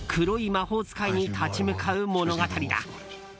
魔法使いに立ち向かう物語だ。